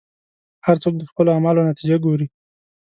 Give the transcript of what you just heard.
هر څوک د خپلو اعمالو نتیجه ګوري.